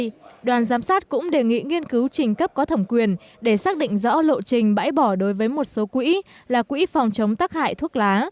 vì vậy đoàn giám sát cũng đề nghị nghiên cứu trình cấp có thẩm quyền để xác định rõ lộ trình bãi bỏ đối với một số quỹ là quỹ phòng chống tắc hại thuốc lá